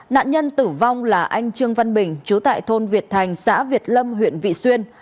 nạn nhân tử vong là anh trương văn bình chú tại thôn việt thành xã việt lâm huyện vị xuyên